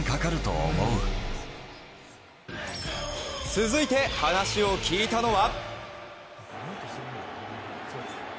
続いて話を聞いたのは。